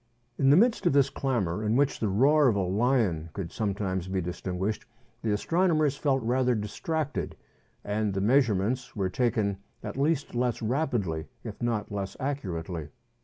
In the midst of this clamour, in which the roar of a lion could sometimes be distinguished, the astronomers felt rather distracted, and the measurements were taken at least less rapidly, if not less accurately.